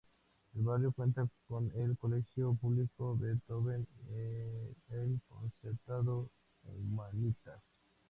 El barrio cuenta con el colegio público Beethoven y el concertado Humanitas.